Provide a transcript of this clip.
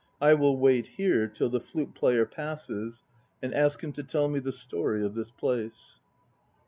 I will wait here till the flute player passes, and ask him to tell me the story of this place.